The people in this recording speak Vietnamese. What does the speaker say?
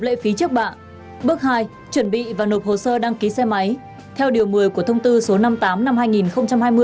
lệ phí trước bạn bước hai chuẩn bị và nộp hồ sơ đăng ký xe máy theo điều một mươi của thông tư số năm mươi tám năm